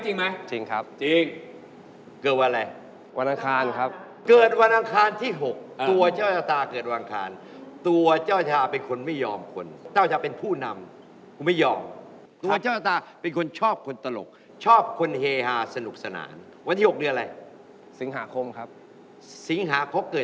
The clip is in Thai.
จริงไหมจริงครับจริงจริงจริงจริงจริงจริงจริงจริงจริงจริงจริงจริงจริงจริงจริงจริงจริงจริงจริงจริงจริงจริงจริงจริงจริงจริงจริงจริงจริ